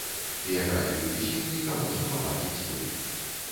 Біяграфію пісьменніка можна пабачыць тут.